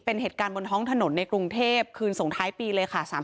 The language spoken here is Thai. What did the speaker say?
เป็นเหตุการณ์บนท้องถนนในกรุงเทพคืนส่งท้ายปีเลยค่ะ